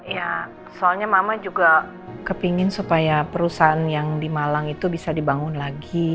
ya soalnya mama juga kepingin supaya perusahaan yang di malang itu bisa dibangun lagi